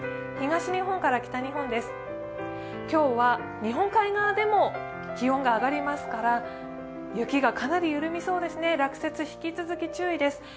東日本から北日本です、今日は日本海側でも気温が上がりますから雪がかなり緩みそうですね、落雪に引き続き注意です。